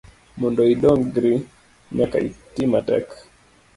Mondo idongri nyaka itimatek.